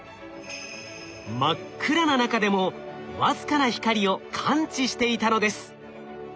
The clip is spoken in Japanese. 真っ暗な中でもわずかな光を感知していたのです。